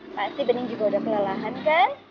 pasti bening juga udah kelelahan kan